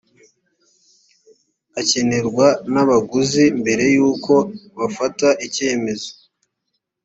akenerwa n abaguzi mbere y uko bafata icyemezo